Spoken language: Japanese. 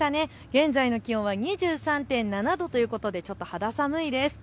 現在の気温は２３．７度ということで肌寒いです。